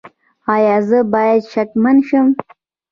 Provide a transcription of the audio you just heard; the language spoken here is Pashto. ایا زه باید شکمن شم؟